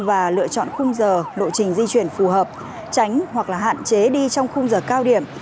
và lựa chọn khung giờ lộ trình di chuyển phù hợp tránh hoặc là hạn chế đi trong khung giờ cao điểm